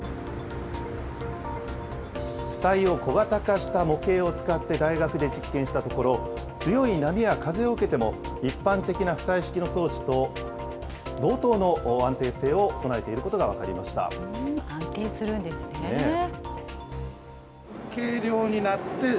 浮体を小型化した模型を使って、大学で実験したところ、強い波や風を受けても、一般的な浮体式の装置と同等の安定性を備えていることが分かりま安定するんですね。